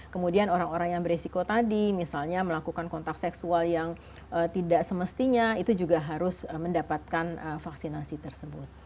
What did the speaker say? kemudian orang orang yang beresiko tadi misalnya melakukan kontak seksual yang tidak semestinya itu juga harus mendapatkan vaksinasi tersebut